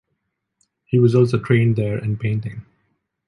He was also trained there in painting.